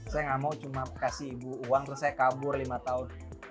saya nggak mau cuma kasih ibu uang terus saya kabur lima tahun